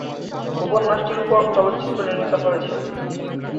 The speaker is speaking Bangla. উপন্যাসটির উপর চলচ্চিত্র নির্মিত হয়েছে।